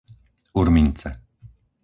Urmince